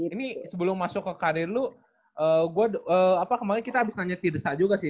ini sebelum masuk ke karir lu gue apa kemarin kita abis nanya tirsa juga sih